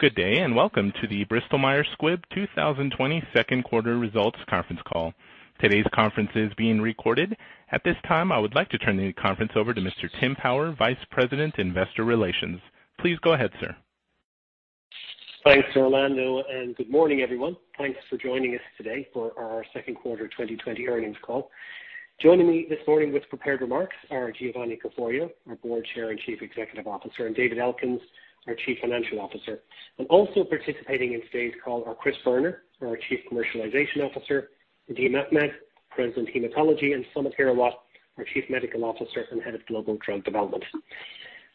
Good day, and welcome to the Bristol Myers Squibb 2020 second quarter results conference call. Today's conference is being recorded. At this time, I would like to turn the conference over to Mr. Tim Power, Vice President, Investor Relations. Please go ahead, sir. Thanks, Orlando, good morning, everyone. Thanks for joining us today for our second quarter 2020 earnings call. Joining me this morning with prepared remarks are Giovanni Caforio, our Board Chair and Chief Executive Officer, David Elkins, our Chief Financial Officer, also participating in today's call are Chris Boerner, our Chief Commercialization Officer, Nadim Ahmed, President, Hematology, Samit Hirawat, our Chief Medical Officer and Head of Global Drug Development.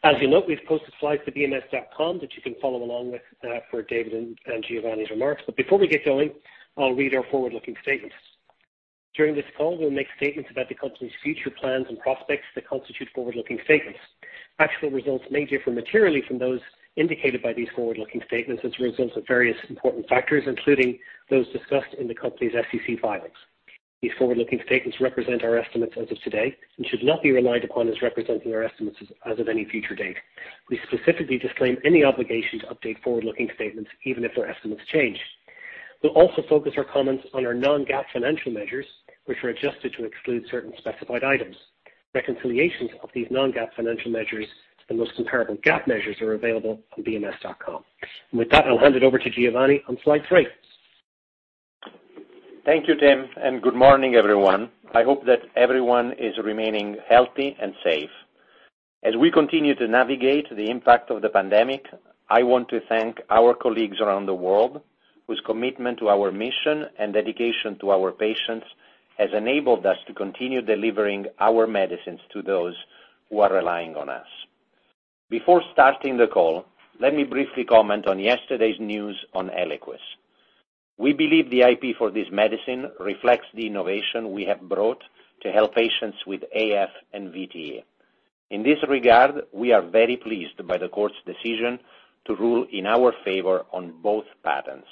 As you'll note, we've posted slides to bms.com that you can follow along with for David and Giovanni's remarks. Before we get going, I'll read our forward-looking statements. During this call, we'll make statements about the company's future plans and prospects that constitute forward-looking statements. Actual results may differ materially from those indicated by these forward-looking statements as a result of various important factors, including those discussed in the company's SEC filings. These forward-looking statements represent our estimates as of today and should not be relied upon as representing our estimates as of any future date. We specifically disclaim any obligation to update forward-looking statements, even if their estimates change. We'll also focus our comments on our non-GAAP financial measures, which are adjusted to exclude certain specified items. Reconciliations of these non-GAAP financial measures and those comparable GAAP measures are available on bms.com. With that, I'll hand it over to Giovanni on slide three. Thank you, Tim, and good morning, everyone. I hope that everyone is remaining healthy and safe. As we continue to navigate the impact of the pandemic, I want to thank our colleagues around the world, whose commitment to our mission and dedication to our patients has enabled us to continue delivering our medicines to those who are relying on us. Before starting the call, let me briefly comment on yesterday's news on ELIQUIS. We believe the IP for this medicine reflects the innovation we have brought to help patients with AF and VTE. In this regard, we are very pleased by the court's decision to rule in our favor on both patents.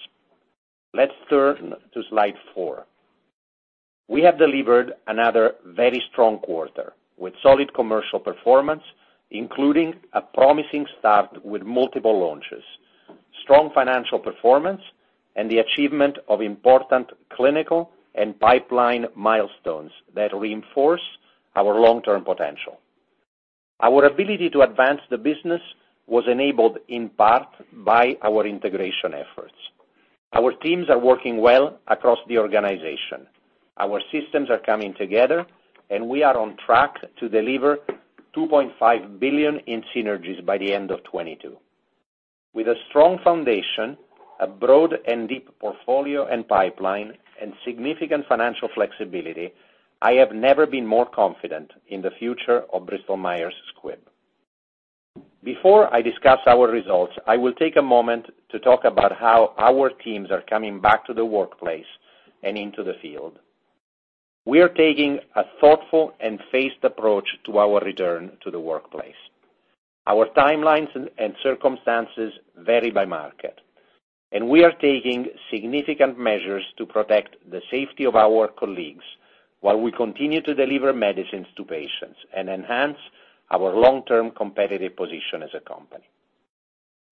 Let's turn to slide four. We have delivered another very strong quarter, with solid commercial performance, including a promising start with multiple launches, strong financial performance, and the achievement of important clinical and pipeline milestones that reinforce our long-term potential. Our ability to advance the business was enabled in part by our integration efforts. Our teams are working well across the organization. Our systems are coming together, and we are on track to deliver $2.5 billion in synergies by the end of 2022. With a strong foundation, a broad and deep portfolio and pipeline, and significant financial flexibility, I have never been more confident in the future of Bristol Myers Squibb. Before I discuss our results, I will take a moment to talk about how our teams are coming back to the workplace and into the field. We are taking a thoughtful and phased approach to our return to the workplace. Our timelines and circumstances vary by market, and we are taking significant measures to protect the safety of our colleagues while we continue to deliver medicines to patients and enhance our long-term competitive position as a company.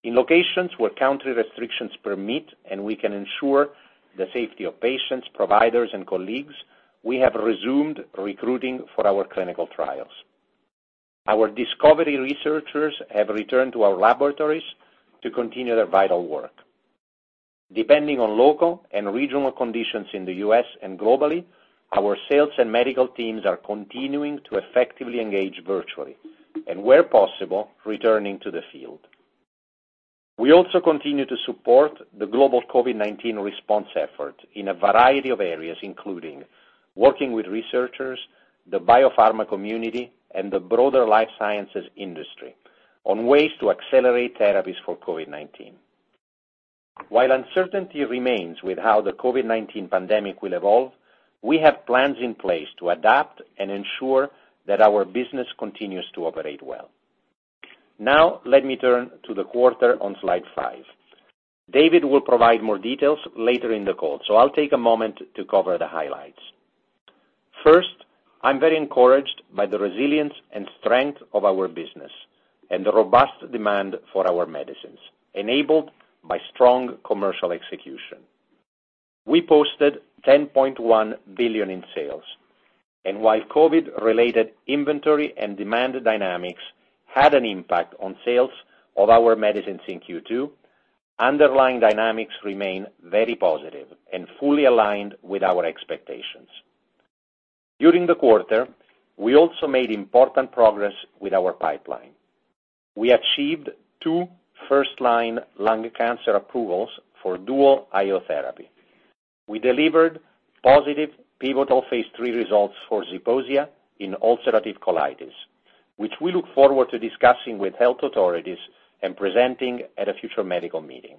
In locations where country restrictions permit and we can ensure the safety of patients, providers, and colleagues, we have resumed recruiting for our clinical trials. Our discovery researchers have returned to our laboratories to continue their vital work. Depending on local and regional conditions in the U.S. and globally, our sales and medical teams are continuing to effectively engage virtually and, where possible, returning to the field. We also continue to support the global COVID-19 response effort in a variety of areas, including working with researchers, the biopharma community, and the broader life sciences industry on ways to accelerate therapies for COVID-19. While uncertainty remains with how the COVID-19 pandemic will evolve, we have plans in place to adapt and ensure that our business continues to operate well. Let me turn to the quarter on slide five. David will provide more details later in the call, so I'll take a moment to cover the highlights. First, I'm very encouraged by the resilience and strength of our business and the robust demand for our medicines, enabled by strong commercial execution. We posted $10.1 billion in sales, and while COVID-related inventory and demand dynamics had an impact on sales of our medicines in Q2, underlying dynamics remain very positive and fully aligned with our expectations. During the quarter, we also made important progress with our pipeline. We achieved two first-line lung cancer approvals for dual IO therapy. We delivered positive pivotal phase III results for Zeposia in ulcerative colitis, which we look forward to discussing with health authorities and presenting at a future medical meeting.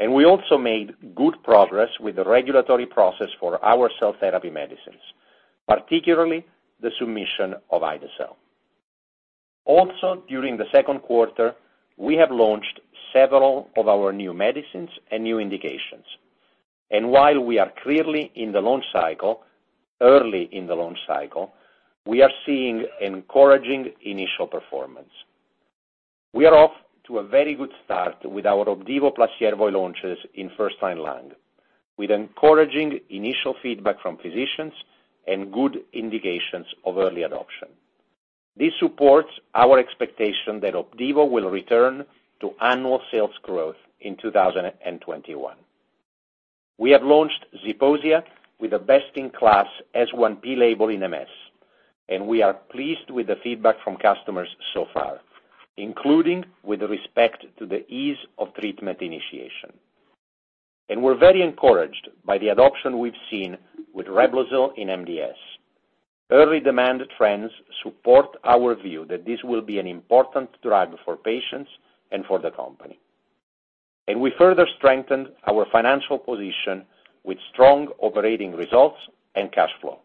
We also made good progress with the regulatory process for our cell therapy medicines, particularly the submission of ide-cel. Also, during the second quarter, we have launched several of our new medicines and new indications. While we are clearly in the launch cycle, early in the launch cycle, we are seeing encouraging initial performance. We are off to a very good start with our Opdivo plus Yervoy launches in first line lung, with encouraging initial feedback from physicians and good indications of early adoption. This supports our expectation that Opdivo will return to annual sales growth in 2021. We have launched Zeposia with a best-in-class S1P label in MS, and we are pleased with the feedback from customers so far, including with respect to the ease of treatment initiation. We're very encouraged by the adoption we've seen with Reblozyl in MDS. Early demand trends support our view that this will be an important drug for patients and for the company. We further strengthened our financial position with strong operating results and cash flow.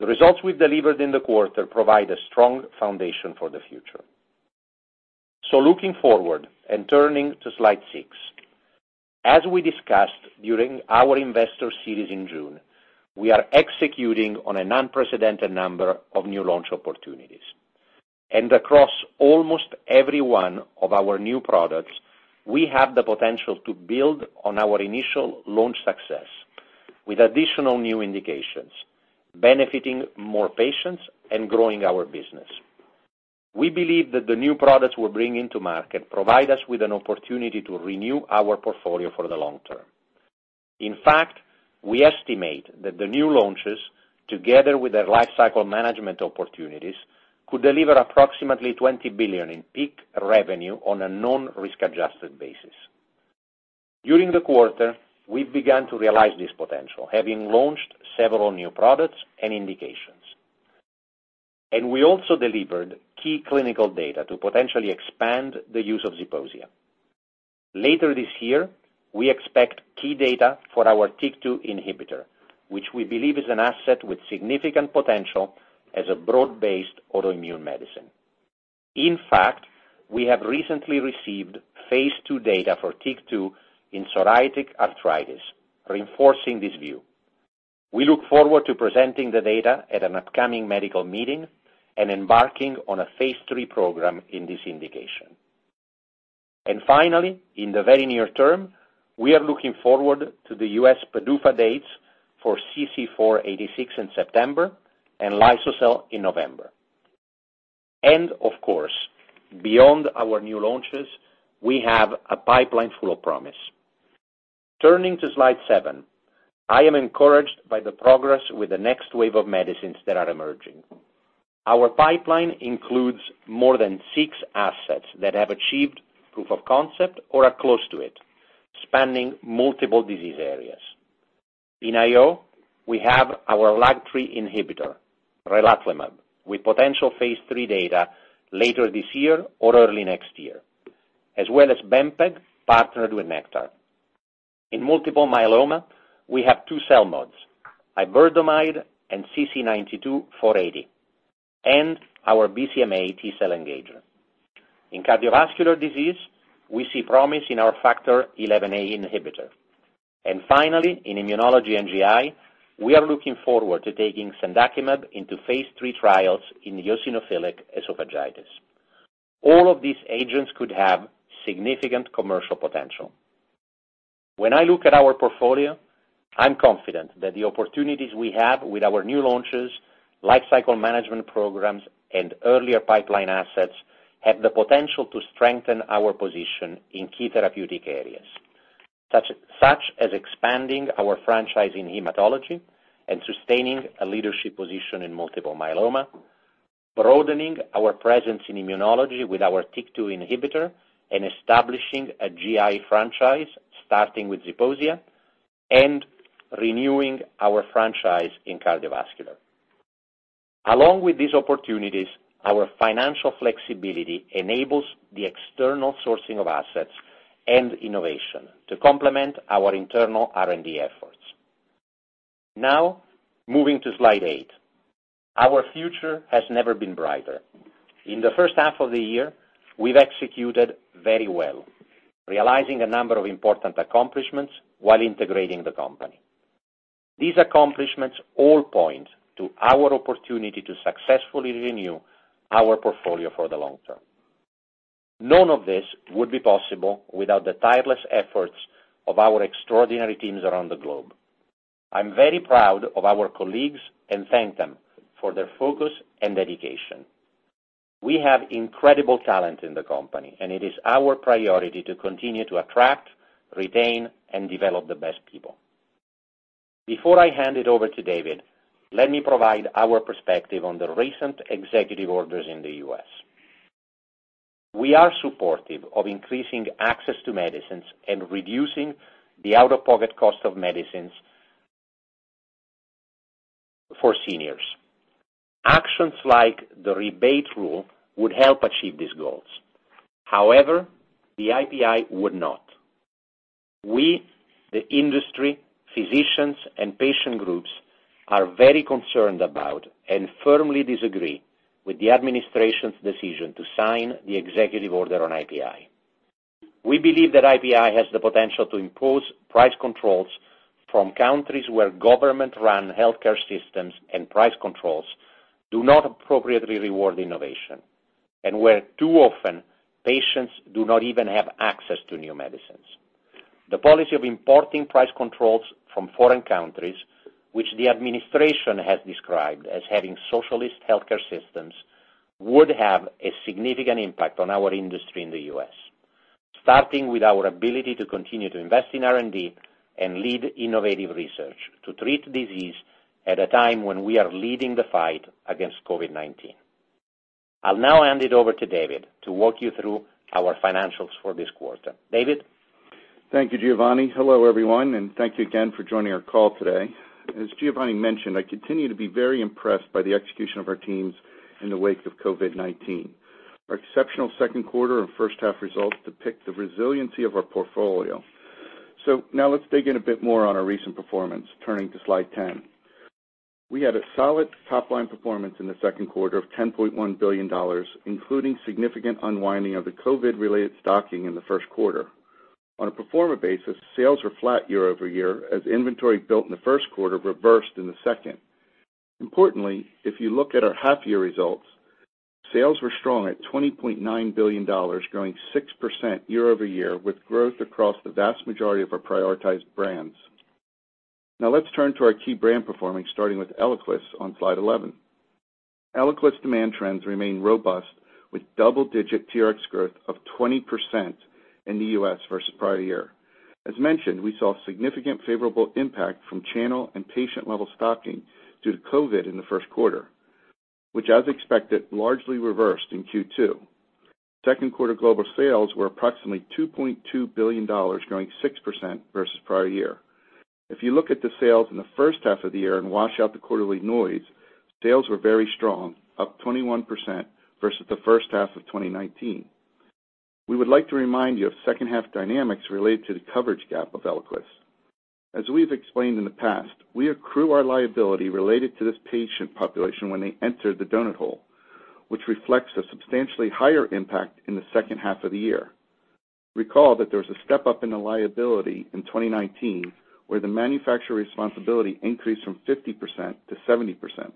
The results we've delivered in the quarter provide a strong foundation for the future. Looking forward and turning to slide six. As we discussed during our investor series in June, we are executing on an unprecedented number of new launch opportunities. Across almost every one of our new products, we have the potential to build on our initial launch success with additional new indications, benefiting more patients and growing our business. We believe that the new products we're bringing to market provide us with an opportunity to renew our portfolio for the long term. In fact, we estimate that the new launches, together with their lifecycle management opportunities, could deliver approximately $20 billion in peak revenue on a non-risk-adjusted basis. During the quarter, we've begun to realize this potential, having launched several new products and indications. We also delivered key clinical data to potentially expand the use of Zeposia. This year, we expect key data for our TYK2 inhibitor, which we believe is an asset with significant potential as a broad-based autoimmune medicine. We have recently received phase II data for TYK2 in psoriatic arthritis, reinforcing this view. We look forward to presenting the data at an upcoming medical meeting and embarking on a phase III program in this indication. Finally, in the very near term, we are looking forward to the U.S. PDUFA dates for CC-486 in September and liso-cel in November. Of course, beyond our new launches, we have a pipeline full of promise. Turning to slide seven. I am encouraged by the progress with the next wave of medicines that are emerging. Our pipeline includes more than six assets that have achieved proof of concept or are close to it, spanning multiple disease areas. In IO, we have our LAG-3 inhibitor, relatlimab, with potential phase III data later this year or early next year, as well as bempeg, partnered with Nektar. In multiple myeloma, we have two CELMoDs, iberdomide and CC-92480, and our BCMA T-cell engager. In cardiovascular disease, we see promise in our Factor XIa inhibitor. Finally, in immunology and GI, we are looking forward to taking cendakimab into phase III trials in eosinophilic esophagitis. All of these agents could have significant commercial potential. When I look at our portfolio, I'm confident that the opportunities we have with our new launches, lifecycle management programs, and earlier pipeline assets have the potential to strengthen our position in key therapeutic areas. Such as expanding our franchise in hematology and sustaining a leadership position in multiple myeloma, broadening our presence in immunology with our TYK2 inhibitor, and establishing a GI franchise starting with Zeposia, and renewing our franchise in cardiovascular. Along with these opportunities, our financial flexibility enables the external sourcing of assets and innovation to complement our internal R&D efforts. Moving to slide eight. Our future has never been brighter. In the first half of the year, we've executed very well, realizing a number of important accomplishments while integrating the company. These accomplishments all point to our opportunity to successfully renew our portfolio for the long term. None of this would be possible without the tireless efforts of our extraordinary teams around the globe. I'm very proud of our colleagues and thank them for their focus and dedication. We have incredible talent in the company, and it is our priority to continue to attract, retain, and develop the best people. Before I hand it over to David, let me provide our perspective on the recent executive orders in the U.S. We are supportive of increasing access to medicines and reducing the out-of-pocket cost of medicines for seniors. Actions like the rebate rule would help achieve these goals. However, the IPI would not. We, the industry, physicians, and patient groups are very concerned about and firmly disagree with the administration's decision to sign the executive order on IPI. We believe that IPI has the potential to impose price controls from countries where government-run healthcare systems and price controls do not appropriately reward innovation, and where too often patients do not even have access to new medicines. The policy of importing price controls from foreign countries, which the administration has described as having socialist healthcare systems, would have a significant impact on our industry in the U.S., starting with our ability to continue to invest in R&D and lead innovative research to treat disease at a time when we are leading the fight against COVID-19. I'll now hand it over to David to walk you through our financials for this quarter. David? Thank you, Giovanni. Hello, everyone, thank you again for joining our call today. As Giovanni mentioned, I continue to be very impressed by the execution of our teams in the wake of COVID-19. Our exceptional second quarter and first half results depict the resiliency of our portfolio. Now let's dig in a bit more on our recent performance, turning to slide 10. We had a solid top-line performance in the second quarter of $10.1 billion, including significant unwinding of the COVID-related stocking in the first quarter. On a pro forma basis, sales were flat year-over-year, as inventory built in the first quarter reversed in the second. Importantly, if you look at our half-year results, sales were strong at $20.9 billion, growing 6% year-over-year, with growth across the vast majority of our prioritized brands. Now let's turn to our key brand performing, starting with Eliquis on slide 11. Eliquis demand trends remain robust with double-digit TRx growth of 20% in the U.S. versus prior year. As mentioned, we saw significant favorable impact from channel and patient-level stocking due to COVID in the first quarter, which as expected, largely reversed in Q2. Second quarter global sales were approximately $2.2 billion, growing 6% versus prior year. If you look at the sales in the first half of the year and wash out the quarterly noise, sales were very strong, up 21% versus the first half of 2019. We would like to remind you of second half dynamics related to the coverage gap of Eliquis. As we've explained in the past, we accrue our liability related to this patient population when they enter the donut hole, which reflects a substantially higher impact in the second half of the year. Recall that there was a step-up in the liability in 2019, where the manufacturer responsibility increased from 50% to 70%.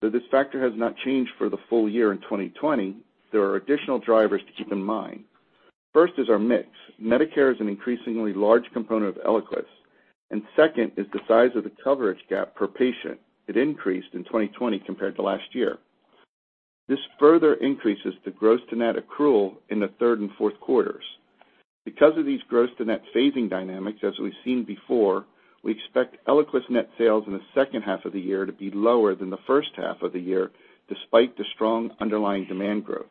Though this factor has not changed for the full year in 2020, there are additional drivers to keep in mind. First is our mix. Medicare is an increasingly large component of ELIQUIS, and second is the size of the coverage gap per patient. It increased in 2020 compared to last year. This further increases the gross to net accrual in the third and fourth quarters. Because of these gross to net phasing dynamics, as we've seen before, we expect Eliquis net sales in the second half of the year to be lower than the first half of the year, despite the strong underlying demand growth.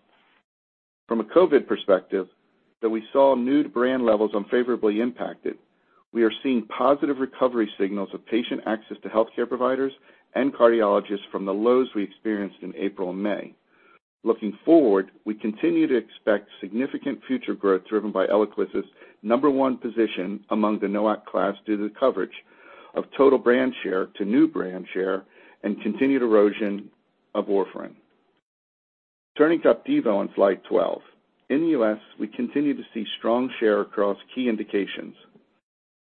From a COVID perspective, though we saw new brand levels unfavorably impacted, we are seeing positive recovery signals of patient access to healthcare providers and cardiologists from the lows we experienced in April and May. Looking forward, we continue to expect significant future growth driven by Eliquis' number one position among the NOAC class due to the coverage of total brand share to new brand share and continued erosion of warfarin. Turning to Opdivo on slide 12. In the U.S., we continue to see strong share across key indications,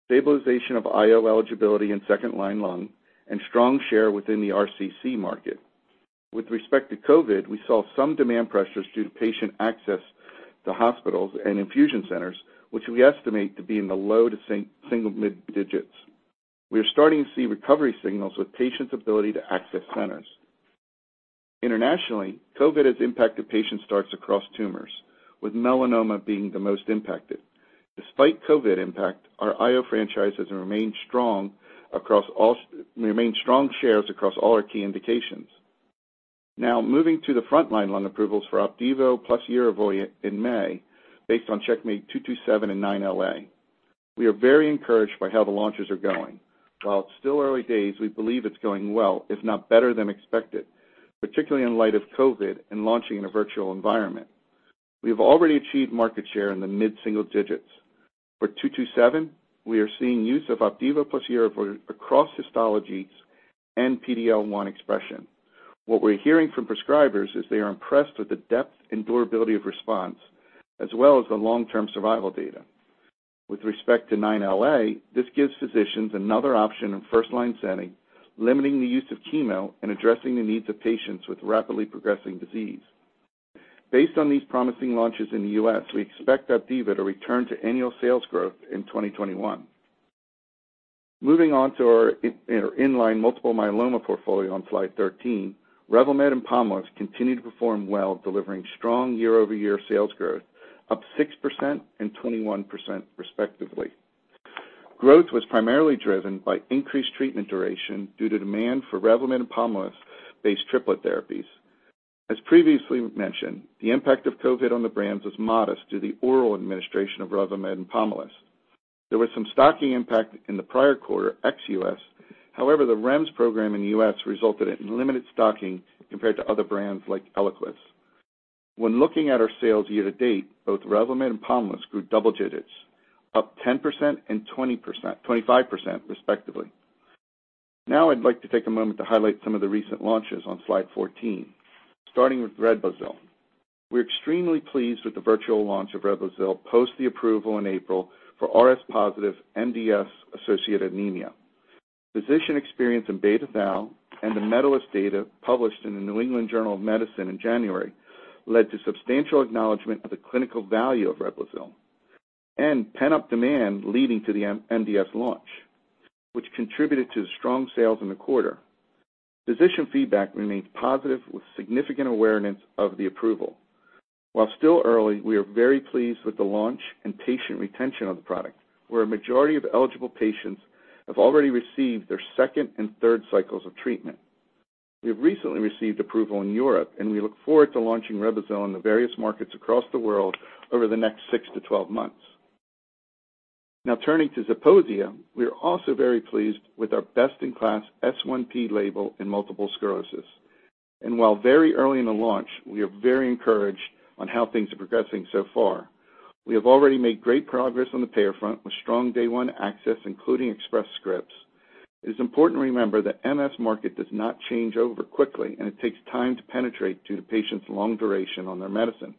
stabilization of IO eligibility in second-line lung, and strong share within the RCC market. With respect to COVID, we saw some demand pressures due to patient access to hospitals and infusion centers, which we estimate to be in the low to single mid digits. We are starting to see recovery signals with patients' ability to access centers. Internationally, COVID has impacted patient starts across tumors, with melanoma being the most impacted. Despite COVID impact, our IO franchise has remained strong shares across all our key indications. moving to the frontline lung approvals for Opdivo plus Yervoy in May based on CheckMate 227 and 9LA. We are very encouraged by how the launches are going. While it's still early days, we believe it's going well, if not better than expected, particularly in light of COVID and launching in a virtual environment. We have already achieved market share in the mid-single digits. For CheckMate 227, we are seeing use of Opdivo plus Yervoy across histologies and PD-L1 expression. What we're hearing from prescribers is they are impressed with the depth and durability of response, as well as the long-term survival data. With respect to CheckMate 9LA, this gives physicians another option in first-line setting, limiting the use of chemo and addressing the needs of patients with rapidly progressing disease. Based on these promising launches in the U.S., we expect Opdivo to return to annual sales growth in 2021. Moving on to our in-line multiple myeloma portfolio on slide 13, Revlimid and Pomalyst continue to perform well, delivering strong year-over-year sales growth, up 6% and 21% respectively. Growth was primarily driven by increased treatment duration due to demand for Revlimid and Pomalyst-based triplet therapies. As previously mentioned, the impact of COVID on the brands was modest due to the oral administration of Revlimid and Pomalyst. There was some stocking impact in the prior quarter ex-U.S., however, the REMS program in the U.S. resulted in limited stocking compared to other brands like ELIQUIS. When looking at our sales year to date, both Revlimid and POMALYST grew double digits, up 10% and 25% respectively. I'd like to take a moment to highlight some of the recent launches on slide 14, starting with Reblozyl. We're extremely pleased with the virtual launch of Reblozyl post the approval in April for Rh-positive MDS-associated anemia. Physician experience in beta-thalassemia and the MEDALIST data published in the New England Journal of Medicine in January led to substantial acknowledgement of the clinical value of Reblozyl, and pent-up demand leading to the MDS launch, which contributed to strong sales in the quarter. Physician feedback remains positive with significant awareness of the approval. While still early, we are very pleased with the launch and patient retention of the product, where a majority of eligible patients have already received their second and third cycles of treatment. We have recently received approval in Europe. We look forward to launching Reblozyl in the various markets across the world over the next 6 to 12 months. Now turning to Zeposia, we are also very pleased with our best-in-class S1P label in multiple sclerosis. While very early in the launch, we are very encouraged on how things are progressing so far. We have already made great progress on the payer front with strong day-one access, including Express Scripts. It is important to remember the MS market does not change over quickly. It takes time to penetrate due to patients' long duration on their medicine.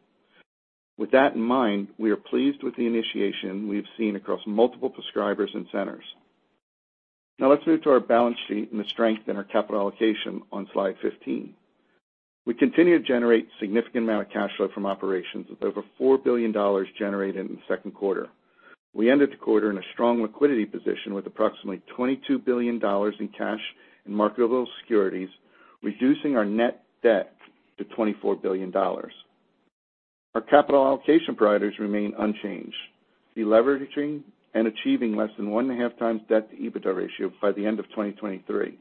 With that in mind, we are pleased with the initiation we have seen across multiple prescribers and centers. Now let's move to our balance sheet and the strength in our capital allocation on slide 15. We continue to generate significant amount of cash flow from operations with over $4 billion generated in the second quarter. We ended the quarter in a strong liquidity position with approximately $22 billion in cash and marketable securities, reducing our net debt to $24 billion. Our capital allocation priorities remain unchanged, de-leveraging and achieving less than 1.5 times debt-to-EBITDA ratio by the end of 2023.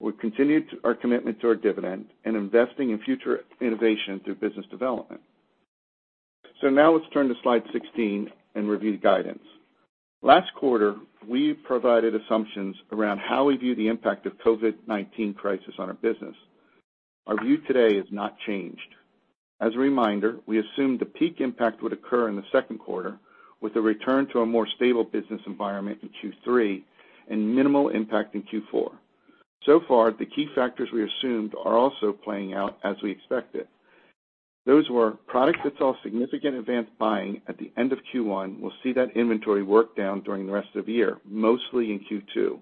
We've continued our commitment to our dividend and investing in future innovation through business development. Now let's turn to slide 16 and review the guidance. Last quarter, we provided assumptions around how we view the impact of COVID-19 crisis on our business. Our view today has not changed. As a reminder, we assumed the peak impact would occur in the second quarter with a return to a more stable business environment in Q3 and minimal impact in Q4. So far, the key factors we assumed are also playing out as we expected. Those were products that saw significant advance buying at the end of Q1, we'll see that inventory work down during the rest of the year, mostly in Q2,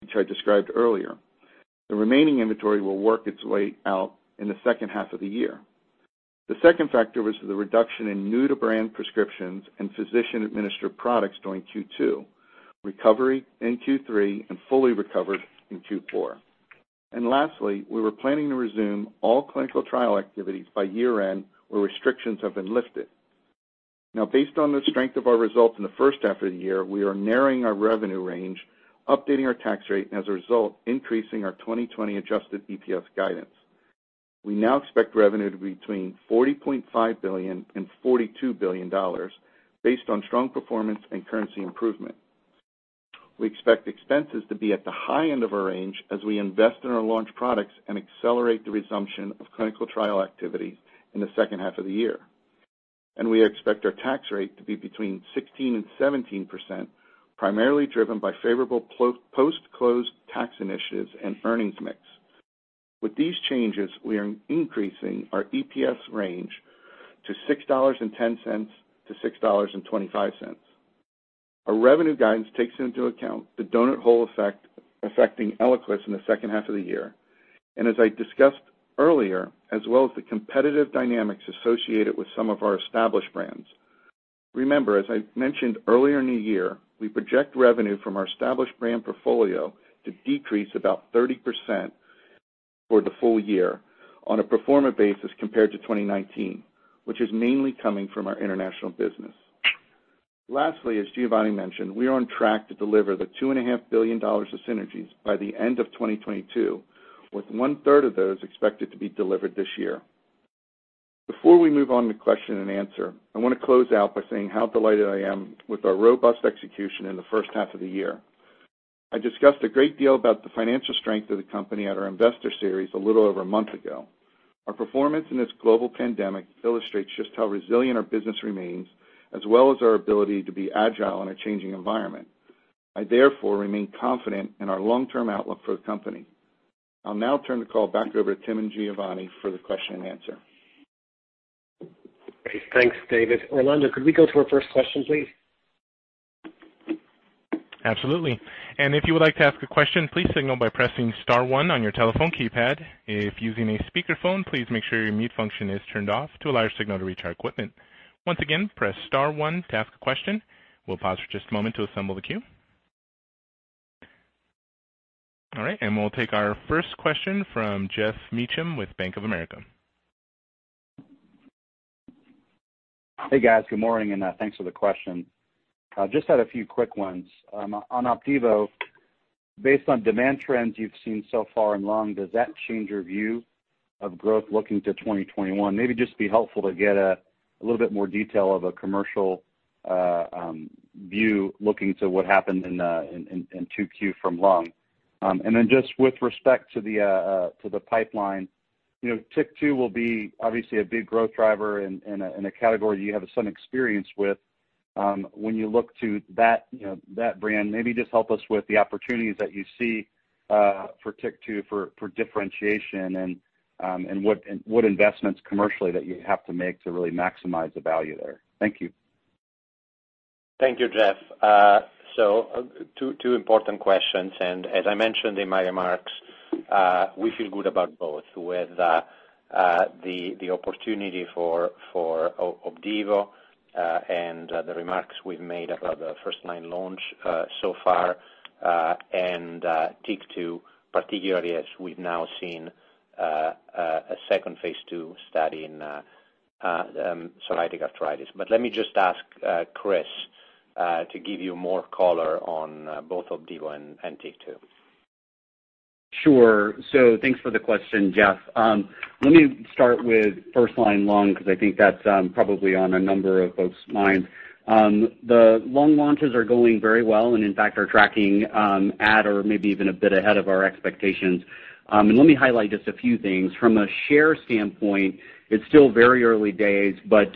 which I described earlier. The remaining inventory will work its way out in the second half of the year. The second factor was the reduction in new-to-brand prescriptions and physician-administered products during Q2, recovery in Q3, and fully recovered in Q4. Lastly, we were planning to resume all clinical trial activities by year-end where restrictions have been lifted. Based on the strength of our results in the first half of the year, we are narrowing our revenue range, updating our tax rate, and as a result, increasing our 2020 adjusted EPS guidance. We now expect revenue to be between $40.5 billion and $42 billion based on strong performance and currency improvement. We expect expenses to be at the high end of our range as we invest in our launch products and accelerate the resumption of clinical trial activities in the second half of the year. We expect our tax rate to be between 16%-17%, primarily driven by favorable post-closed tax initiatives and earnings mix. With these changes, we are increasing our EPS range to $6.10-$6.25. Our revenue guidance takes into account the donut hole effect affecting ELIQUIS in the second half of the year. As I discussed earlier, as well as the competitive dynamics associated with some of our established brands. Remember, as I mentioned earlier in the year, we project revenue from our established brand portfolio to decrease about 30% for the full year on a pro forma basis compared to 2019, which is mainly coming from our international business. Lastly, as Giovanni mentioned, we are on track to deliver the $2.5 billion of synergies by the end of 2022, with one-third of those expected to be delivered this year. Before we move on to question and answer, I want to close out by saying how delighted I am with our robust execution in the first half of the year. I discussed a great deal about the financial strength of the company at our investor series a little over a month ago. Our performance in this global pandemic illustrates just how resilient our business remains, as well as our ability to be agile in a changing environment. I therefore remain confident in our long-term outlook for the company. I'll now turn the call back over to Tim and Giovanni for the question and answer. Great. Thanks, David. Orlando, could we go to our first question, please? Absolutely. If you would like to ask a question, please signal by pressing *1 on your telephone keypad. If using a speakerphone, please make sure your mute function is turned off to allow your signal to reach our equipment. Once again, press *1 to ask a question. We'll pause for just a moment to assemble the queue. All right, we'll take our first question from Geoff Meacham with Bank of America. Hey, guys. Good morning, and thanks for the question. Just had a few quick ones. On Opdivo, based on demand trends you've seen so far in lung, does that change your view of growth looking to 2021? Maybe just be helpful to get a little bit more detail of a commercial view looking to what happened in 2Q from lung. Then just with respect to the pipeline, TYK2 will be obviously a big growth driver in a category you have some experience with. When you look to that brand, maybe just help us with the opportunities that you see for TYK2 for differentiation and what investments commercially that you have to make to really maximize the value there. Thank you. Thank you, Geoff. Two important questions, as I mentioned in my remarks, we feel good about both with the opportunity for Opdivo and the remarks we've made about the first line launch so far, TYK2 particularly as we've now seen a second phase II study in psoriatic arthritis. Let me just ask Chris to give you more color on both Opdivo and TYK2. Thanks for the question, Geoff. Let me start with first-line lung, because I think that's probably on a number of folks' minds. The lung launches are going very well and in fact, are tracking at or maybe even a bit ahead of our expectations. Let me highlight just a few things. From a share standpoint, it's still very early days, but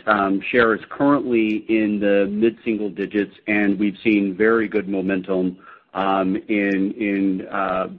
share is currently in the mid-single digits, and we've seen very good momentum in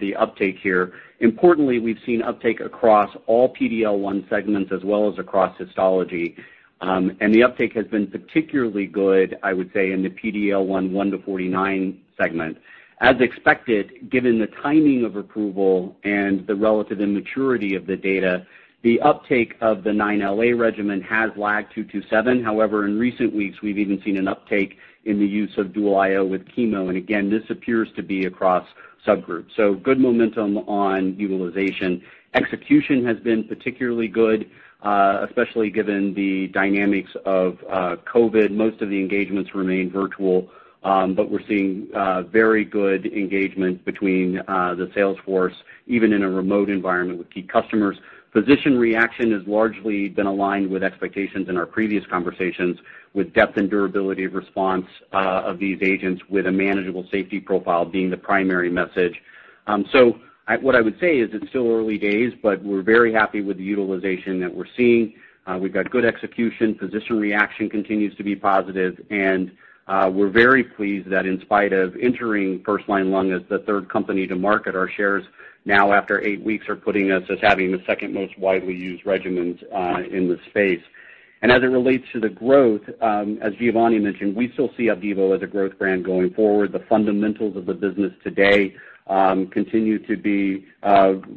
the uptake here. Importantly, we've seen uptake across all PD-L1 segments as well as across histology. The uptake has been particularly good, I would say, in the PD-L1 1 to 49 segment. As expected, given the timing of approval and the relative immaturity of the data, the uptake of the 9LA regimen has lagged 227. In recent weeks, we've even seen an uptake in the use of dual IO with chemo, and again, this appears to be across subgroups. Good momentum on utilization. Execution has been particularly good, especially given the dynamics of COVID. Most of the engagements remain virtual. We're seeing very good engagement between the sales force, even in a remote environment with key customers. Physician reaction has largely been aligned with expectations in our previous conversations with depth and durability of response of these agents with a manageable safety profile being the primary message. What I would say is it's still early days, but we're very happy with the utilization that we're seeing. We've got good execution. Physician reaction continues to be positive. We're very pleased that in spite of entering first-line lung as the third company to market, our shares now after eight weeks are putting us as having the second most widely used regimens in the space. As it relates to the growth, as Giovanni mentioned, we still see Opdivo as a growth brand going forward. The fundamentals of the business today continue to be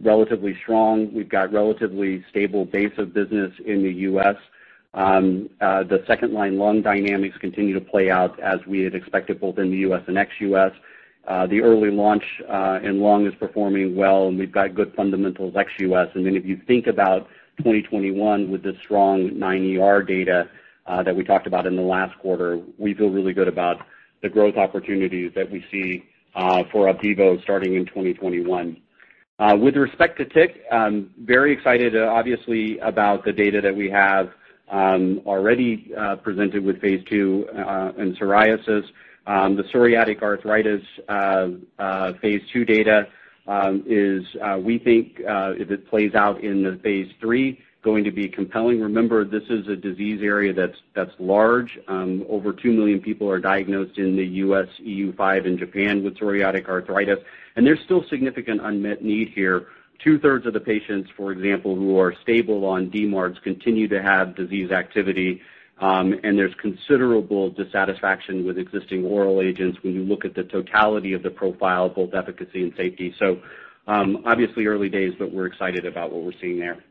relatively strong. We've got relatively stable base of business in the U.S. The second-line lung dynamics continue to play out as we had expected, both in the U.S. and ex-U.S. The early launch in lung is performing well. We've got good fundamentals ex-U.S. If you think about 2021 with the strong 9ER data that we talked about in the last quarter, we feel really good about the growth opportunities that we see for Opdivo starting in 2021. With respect to TYK2, very excited obviously about the data that we have already presented with phase II in psoriasis. The psoriatic arthritis phase II data is, we think if it plays out in the phase III, going to be compelling. Remember, this is a disease area that's large. Over 2 million people are diagnosed in the U.S., EU 5, and Japan with psoriatic arthritis, and there's still significant unmet need here. Two-thirds of the patients, for example, who are stable on DMARDs continue to have disease activity, and there's considerable dissatisfaction with existing oral agents when you look at the totality of the profile, both efficacy and safety. Obviously early days, but we're excited about what we're seeing there.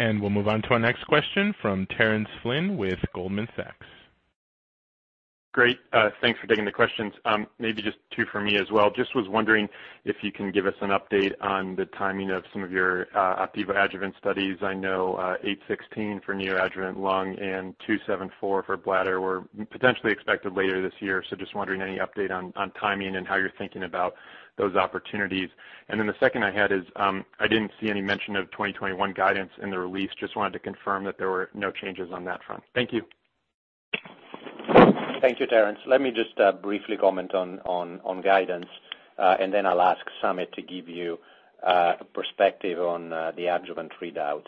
We'll move on to our next question from Terence Flynn with Goldman Sachs. Great. Thanks for taking the questions. Just two for me as well. Was wondering if you can give us an update on the timing of some of your Opdivo adjuvant studies. I know 816 for neoadjuvant lung and 274 for bladder were potentially expected later this year. Wondering any update on timing and how you're thinking about those opportunities. The second I had is, I didn't see any mention of 2021 guidance in the release. Wanted to confirm that there were no changes on that front. Thank you. Thank you, Terence. Let me just briefly comment on guidance, and then I'll ask Samit to give you perspective on the adjuvant readout.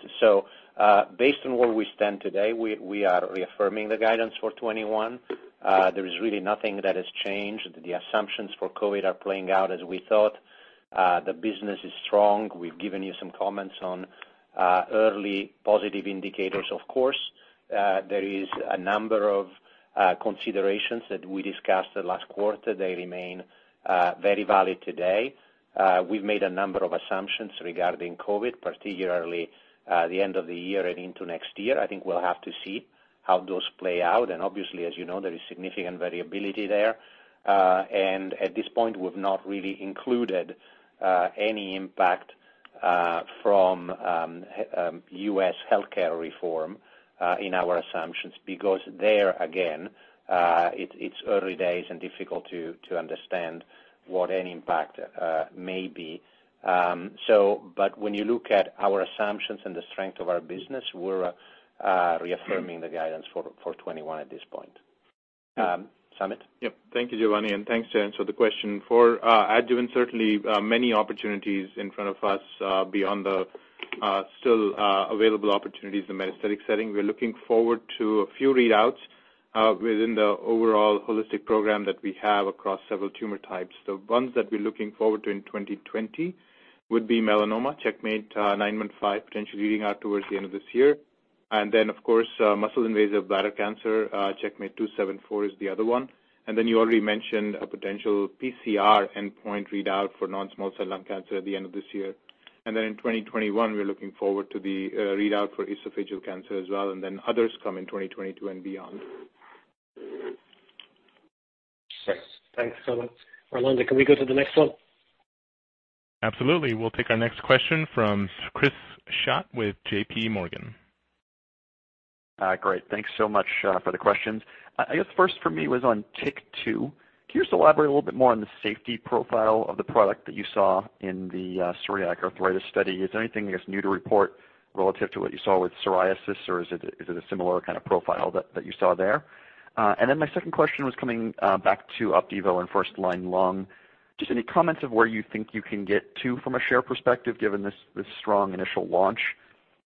Based on where we stand today, we are reaffirming the guidance for 2021. There is really nothing that has changed. The assumptions for COVID are playing out as we thought. The business is strong. We've given you some comments on early positive indicators. Of course, there is a number of considerations that we discussed the last quarter. They remain very valid today. We've made a number of assumptions regarding COVID, particularly the end of the year and into next year. I think we'll have to see how those play out. Obviously, as you know, there is significant variability there. At this point, we've not really included any impact from U.S. healthcare reform in our assumptions because there, again, it's early days and difficult to understand what any impact may be. When you look at our assumptions and the strength of our business, we're reaffirming the guidance for 2021 at this point. Samit? Yep. Thank you, Giovanni, thanks, Jan, for the question. For adjuvant, certainly, many opportunities in front of us beyond the still available opportunities in the metastatic setting. We're looking forward to a few readouts within the overall holistic program that we have across several tumor types. The ones that we're looking forward to in 2020 would be melanoma, CheckMate 915, potentially reading out towards the end of this year. Of course, muscle invasive bladder cancer, CheckMate 274 is the other one. You already mentioned a potential PCR endpoint readout for non-small cell lung cancer at the end of this year. In 2021, we're looking forward to the readout for esophageal cancer as well, and then others come in 2022 and beyond. Great. Thanks, Samit. Fernando, can we go to the next one? Absolutely. We'll take our next question from Chris Schott with J.P. Morgan. Great. Thanks so much for the questions. I guess the first for me was on TYK2. Can you just elaborate a little bit more on the safety profile of the product that you saw in the psoriatic arthritis study? Is there anything, I guess, new to report relative to what you saw with psoriasis, or is it a similar kind of profile that you saw there? My second question was coming back to Opdivo and first-line lung. Just any comments of where you think you can get to from a share perspective given this strong initial launch?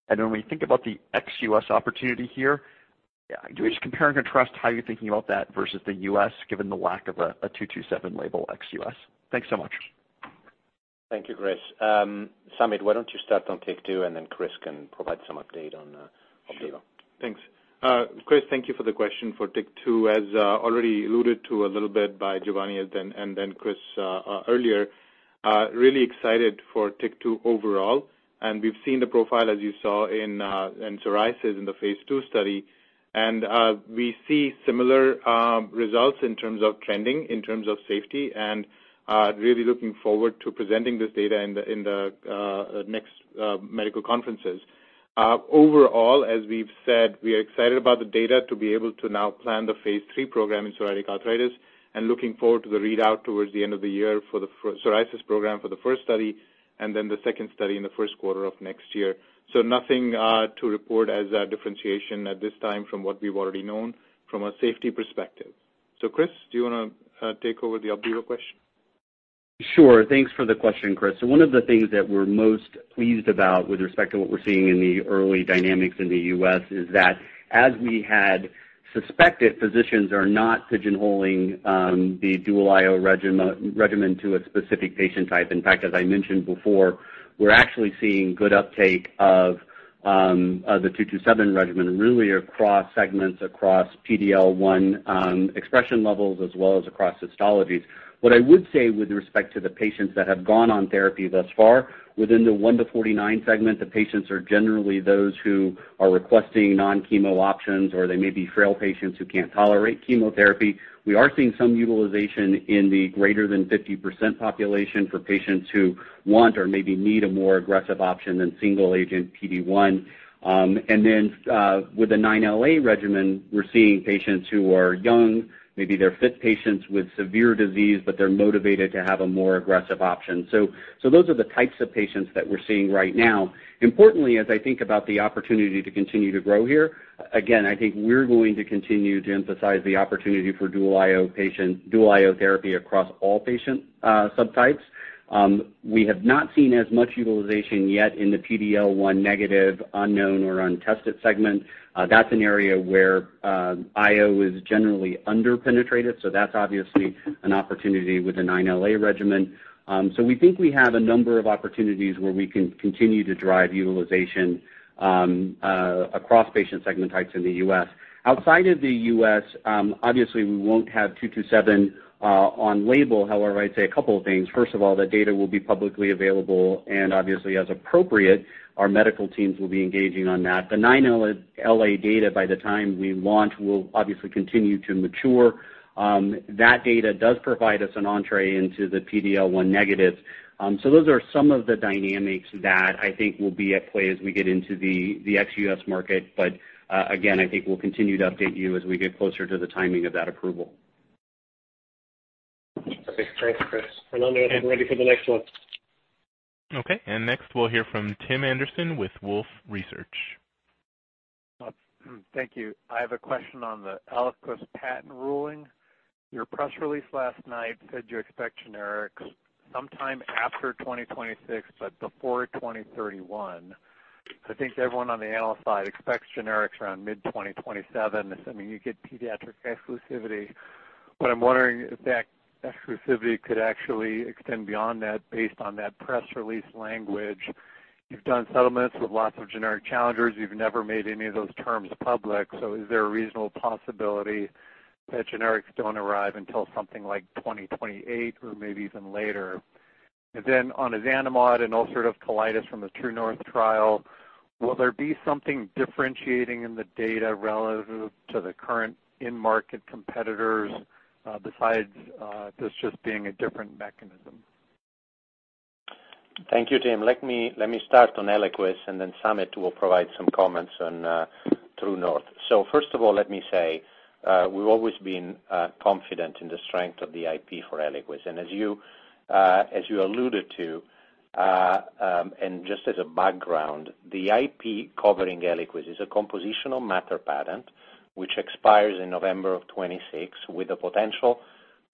When we think about the ex-U.S. opportunity here, just compare and contrast how you're thinking about that versus the U.S., given the lack of a 227 label ex-U.S. Thanks so much. Thank you, Chris. Samit, why don't you start on TYK2, and then Chris can provide some update on Opdivo. Sure. Thanks. Chris, thank you for the question for TYK2. As already alluded to a little bit by Giovanni and then Chris earlier, really excited for TYK2 overall, and we've seen the profile as you saw in psoriasis in the phase II study. We see similar results in terms of trending, in terms of safety, and really looking forward to presenting this data in the next medical conferences. Overall, as we've said, we are excited about the data to be able to now plan the phase III program in psoriatic arthritis and looking forward to the readout towards the end of the year for the psoriasis program for the first study and then the second study in the first quarter of next year. Nothing to report as a differentiation at this time from what we've already known from a safety perspective. Chris, do you want to take over the Opdivo question? Sure. Thanks for the question, Chris. One of the things that we're most pleased about with respect to what we're seeing in the early dynamics in the U.S. is that as we had suspected, physicians are not pigeonholing the dual IO regimen to a specific patient type. In fact, as I mentioned before, we're actually seeing good uptake of the 227 regimen really across segments, across PD-L1 expression levels as well as across histologies. What I would say with respect to the patients that have gone on therapy thus far, within the one to 49 segment, the patients are generally those who are requesting non-chemo options, or they may be frail patients who can't tolerate chemotherapy. We are seeing some utilization in the greater than 50% population for patients who want or maybe need a more aggressive option than single-agent PD1. With the CheckMate 9LA regimen, we're seeing patients who are young, maybe they're fit patients with severe disease, but they're motivated to have a more aggressive option. Those are the types of patients that we're seeing right now. Importantly, as I think about the opportunity to continue to grow here, again, I think we're going to continue to emphasize the opportunity for dual IO therapy across all patient subtypes. We have not seen as much utilization yet in the PD-L1 negative, unknown, or untested segment. That's an area where IO is generally under-penetrated, so that's obviously an opportunity with the CheckMate 9LA regimen. We think we have a number of opportunities where we can continue to drive utilization across patient segment types in the U.S. Outside of the U.S., obviously, we won't have CheckMate 227 on label. However, I'd say a couple of things. First of all, the data will be publicly available, and obviously as appropriate, our medical teams will be engaging on that. The CheckMate 9LA data by the time we launch will obviously continue to mature. That data does provide us an entrée into the PD-L1 negatives. Those are some of the dynamics that I think will be at play as we get into the ex-U.S. market. Again, I think we'll continue to update you as we get closer to the timing of that approval. Okay, thanks, Chris. Fernando, we're ready for the next one. Okay. Next we'll hear from Tim Anderson with Wolfe Research. Thank you. I have a question on the ELIQUIS patent ruling. Your press release last night said you expect generics sometime after 2026 but before 2031. I think everyone on the analyst side expects generics around mid-2027, assuming you get pediatric exclusivity. What I'm wondering is if that exclusivity could actually extend beyond that based on that press release language. You've done settlements with lots of generic challengers. You've never made any of those terms public. Is there a reasonable possibility that generics don't arrive until something like 2028 or maybe even later? On ozanimod and ulcerative colitis from the TRUE NORTH trial, will there be something differentiating in the data relative to the current in-market competitors, besides this just being a different mechanism? Thank you, Tim. Let me start on ELIQUIS, and then Samit will provide some comments on TRUE NORTH. First of all, let me say, we've always been confident in the strength of the IP for ELIQUIS. Just as a background, the IP covering ELIQUIS is a composition of matter patent, which expires in November of 2026 with a potential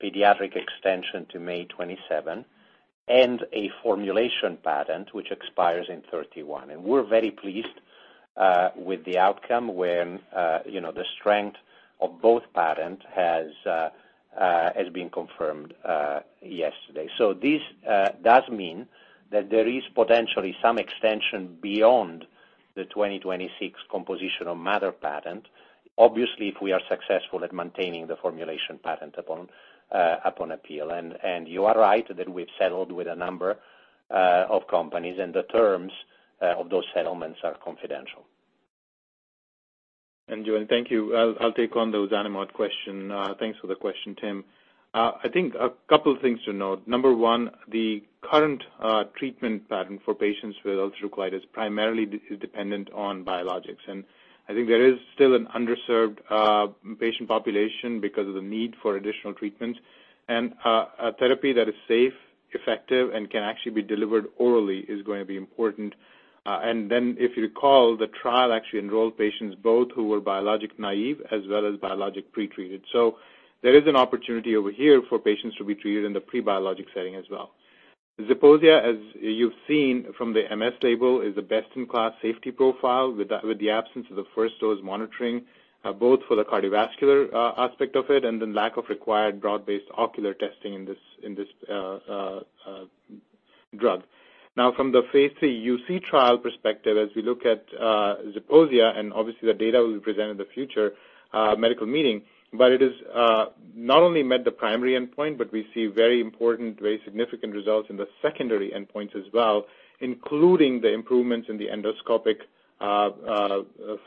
pediatric extension to May 2027, and a formulation patent, which expires in 2031. We're very pleased with the outcome when the strength of both patent has been confirmed yesterday. This does mean that there is potentially some extension beyond the 2026 composition of matter patent. Obviously, if we are successful at maintaining the formulation patent upon appeal. You are right that we've settled with a number of companies, and the terms of those settlements are confidential. Gio, thank you. I'll take on those ozanimod question. Thanks for the question, Tim. I think a couple things to note. Number one, the current treatment pattern for patients with ulcerative colitis primarily is dependent on biologics. I think there is still an underserved patient population because of the need for additional treatments. A therapy that is safe, effective, and can actually be delivered orally is going to be important. Then if you recall, the trial actually enrolled patients both who were biologic naive as well as biologic pretreated. There is an opportunity over here for patients to be treated in the pre-biologic setting as well. Zeposia, as you've seen from the MS label, is the best-in-class safety profile with the absence of the first dose monitoring, both for the cardiovascular aspect of it and then lack of required broad-based ocular testing in this drug. From the phase III UC trial perspective, as we look at Zeposia, and obviously the data will be presented at the future medical meeting. It not only met the primary endpoint, but we see very important, very significant results in the secondary endpoints as well, including the improvements in the endoscopic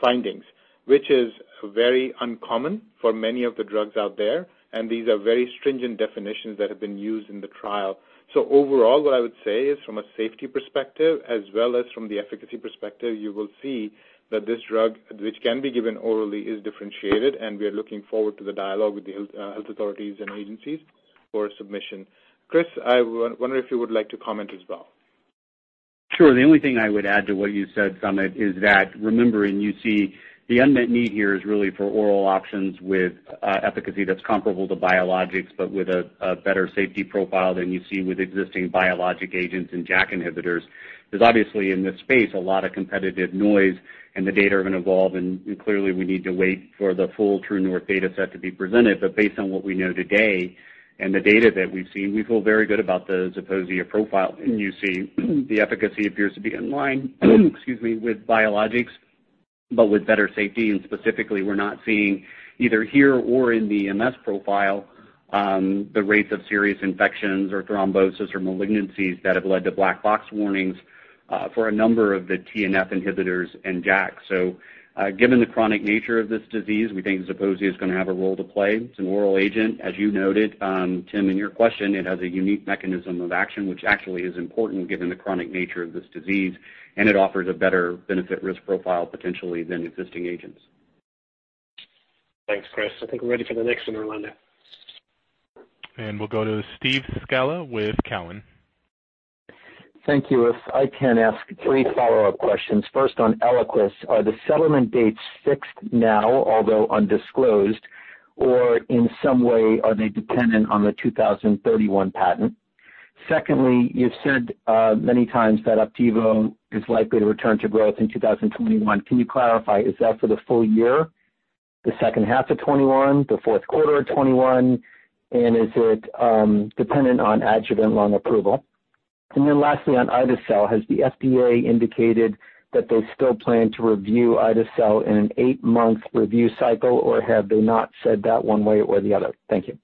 findings, which is very uncommon for many of the drugs out there. These are very stringent definitions that have been used in the trial. Overall, what I would say is from a safety perspective as well as from the efficacy perspective, you will see that this drug, which can be given orally, is differentiated, and we are looking forward to the dialogue with the health authorities and agencies for submission. Chris, I wonder if you would like to comment as well. Sure. The only thing I would add to what you said, Samit, is that remembering you see the unmet need here is really for oral options with efficacy that's comparable to biologics, but with a better safety profile than you see with existing biologic agents and JAK inhibitors. There's obviously in this space, a lot of competitive noise and the data are going to evolve, and clearly we need to wait for the full TRUE NORTH data set to be presented. Based on what we know today and the data that we've seen, we feel very good about the Zeposia profile. You see the efficacy appears to be in line, excuse me, with biologics, but with better safety, and specifically we're not seeing either here or in the MS profile, the rates of serious infections or thrombosis or malignancies that have led to black box warnings for a number of the TNF inhibitors and JAK. Given the chronic nature of this disease, we think Zeposia is going to have a role to play. It's an oral agent, as you noted, Tim, in your question. It has a unique mechanism of action, which actually is important given the chronic nature of this disease, and it offers a better benefit risk profile potentially than existing agents. Thanks, Chris. I think we're ready for the next one, Orlando. We'll go to Steve Scala with Cowen. Thank you. If I can ask three follow-up questions. First, on ELIQUIS, are the settlement dates fixed now, although undisclosed, or in some way are they dependent on the 2031 patent? Secondly, you've said many times that Opdivo is likely to return to growth in 2021. Can you clarify, is that for the full year, the second half of 2021, the fourth quarter of 2021? Is it dependent on adjuvant lung approval? Lastly, on ide-cel, has the FDA indicated that they still plan to review ide-cel in an eight-month review cycle, or have they not said that one way or the other? Thank you.